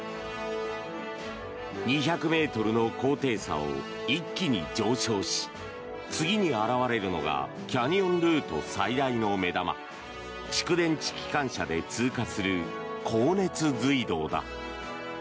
２００ｍの高低差を一気に上昇し次に現れるのがキャニオンルート最大の目玉蓄電池機関車で通過する高熱隧道だ。